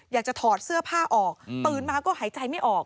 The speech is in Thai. ถอดเสื้อผ้าออกตื่นมาก็หายใจไม่ออก